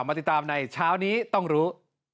มาติดตามในเช้านี้ต้องรู้